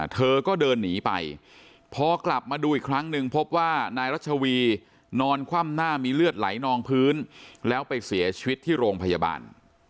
เธอก็เดินหนีไปพอกลับมาดูอีกครั้งหนึ่งพบว่านายรัชวีนอนคว่ำหน้ามีเลือดไหลนองพื้นแล้วไปเสียชีวิตที่โรงพยาบาล